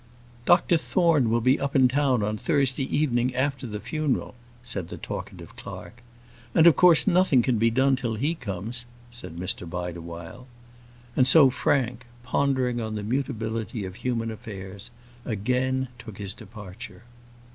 "Dr Thorne will be up in town on Thursday evening after the funeral," said the talkative clerk. "And nothing of course can be done till he comes," said Mr Bideawhile. And so Frank, pondering on the mutability of human affairs, again took his departure.